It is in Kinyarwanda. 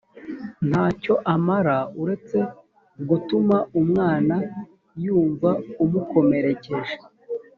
nta cyo amara uretse gutuma umwana yumva umukomerekeje